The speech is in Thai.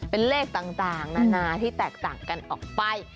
เป็นเลขต่างนานาที่แตกต่างกันออกไป